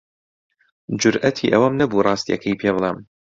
جورئەتی ئەوەم نەبوو ڕاستییەکەی پێ بڵێم.